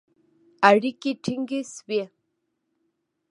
اړیکې ټینګې شوې